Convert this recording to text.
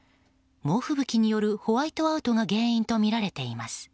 猛吹雪によるホワイトアウトが原因とみられています。